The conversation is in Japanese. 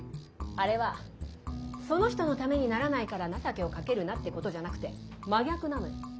あれは「その人の為にならないから情けをかけるな」ってことじゃなくて真逆なのよ。